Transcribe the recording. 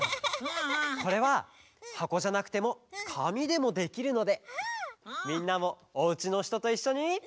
これははこじゃなくてもかみでもできるのでみんなもおうちのひとといっしょに。